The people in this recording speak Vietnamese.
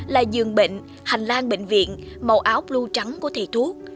là giường bệnh hành lang bệnh viện màu áo blue trắng của thầy thuốc